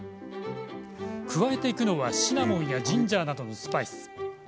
加えていくのは、シナモンやジンジャーなどのスパイス。